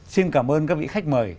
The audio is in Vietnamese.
xin cảm ơn các vị khách mời